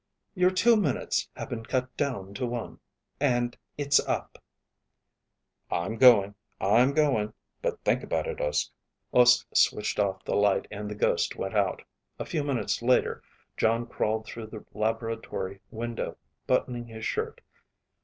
"Your two minutes have been cut down to one; and it's up." "I'm going; I'm going. But think about it, Uske." Uske switched off the light and the ghost went out. A few minutes later Jon crawled through the laboratory tower window, buttoning his shirt.